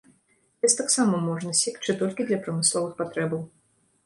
Лес таксама можна секчы толькі для прамысловых патрэбаў.